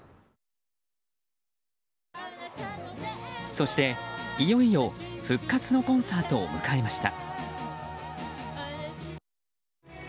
そして、いよいよ復活のコンサートを迎えました。